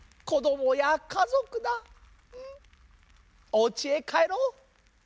おうちへかえろう。